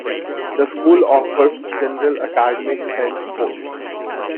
The school offers general academics and sports.